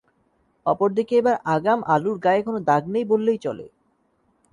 অপর দিকে এবার আগাম আলুর গায়ে কোনো দাগ নেই বললেই চলে।